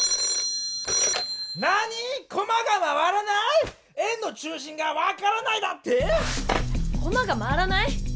☎なにぃ⁉コマが回らない⁉円の中心がわからないだって⁉コマが回らない？